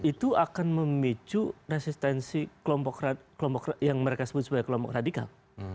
itu akan memicu resistensi kelompok yang mereka sebut sebagai kelompok radikal